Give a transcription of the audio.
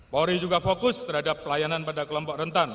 polri juga fokus terhadap pelayanan pada kelompok rentan